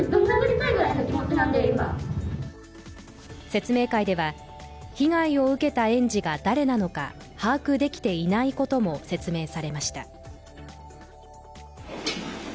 説明会では、被害を受けた園児が誰なのか把握できていないことも説明されました。